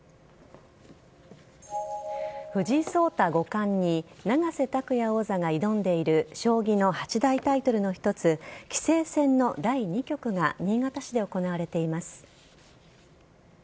藤井聡太五冠に永瀬拓矢王座が挑んでいる将棋の八大タイトルの一つ棋聖戦の第２局が新潟市で行われています。